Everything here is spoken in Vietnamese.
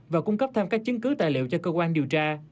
và cung cấp thêm các chứng cứ tài liệu cho cơ quan điều tra